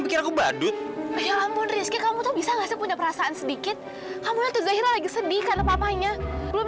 pikir aku badut kamu bisa nggak punya perasaan sedikit kamu lagi sedih karena papanya belum